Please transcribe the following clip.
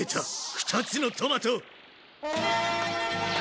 ２つのトマト！